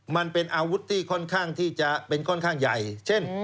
มันเป็นอาวุธที่ค่อนข้างที่จะเป็นค่อนข้างใหญ่เช่น